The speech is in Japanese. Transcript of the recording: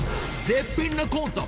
［絶品のコント。